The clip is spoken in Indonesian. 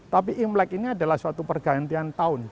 tapi imlek ini adalah suatu pergantian tahun